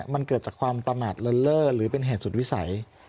มันเกิดจากความประมาทเลินเล่อหรือเป็นเหตุสุดวิสัย